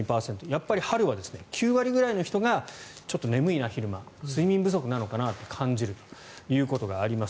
やっぱり春は９割ぐらいの人がちょっと昼間眠いな睡眠不足なのかなと感じるということがあります。